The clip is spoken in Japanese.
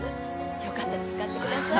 「よかったら使ってください」